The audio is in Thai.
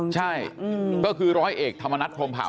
ใช่ก็คือร้อยเอกธรรมนัฐพรมเผา